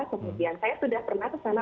kemudian saya sudah pernah kesana